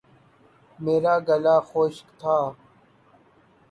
میرا گلا خشک تھا